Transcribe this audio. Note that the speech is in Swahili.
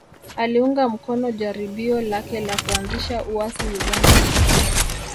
Aliunga mkono jaribio lake la kuanzisha uasi Uganda